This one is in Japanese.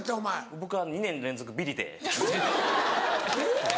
僕は２年連続ビリで。